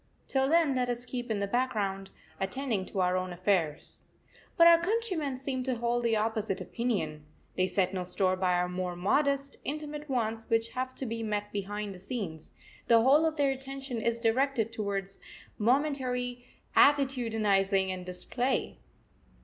Till then let us keep in the background, attending to our own affairs. But our countrymen seem to hold the opposite opinion. They set no store by our more modest, intimate wants which have to be met behind the scenes, the whole of their attention is directed to momentary attitudinising and display.